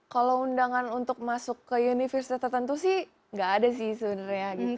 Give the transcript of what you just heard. kalau undangan untuk masuk ke universitas tertentu sih nggak ada sih sebenarnya